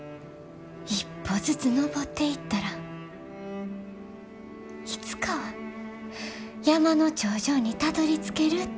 一歩ずつ登っていったらいつかは山の頂上にたどりつけるって。